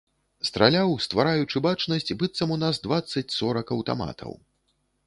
Страляў, ствараючы бачнасць быццам у нас дваццаць-сорак аўтаматаў.